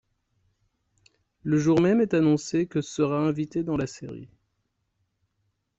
Le jour même est annoncé que sera invité dans la série.